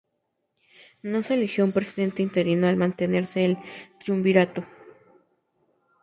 No se eligió a un Presidente Interino al mantenerse el triunvirato.